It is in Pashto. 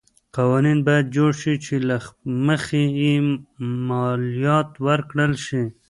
قوانین باید جوړ شي چې له مخې یې مالیات ورکړل شي.